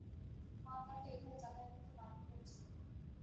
মা তাকে এ ঘরে যাতায়াত করতে বারণ করেছিল।